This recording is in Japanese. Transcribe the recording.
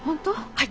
はい。